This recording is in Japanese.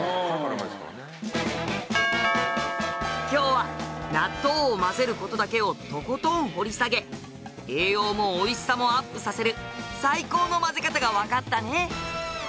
今日は納豆を混ぜる事だけをとことん掘り下げ栄養もおいしさもアップさせる最高の混ぜ方がわかったね。